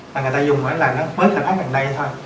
mà người ta dùng là nó mới khởi phát gần đây thôi